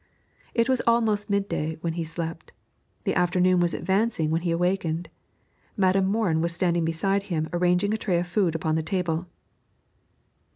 It was almost midday when he slept; the afternoon was advancing when he awakened. Madam Morin was standing beside him arranging a tray of food upon the table.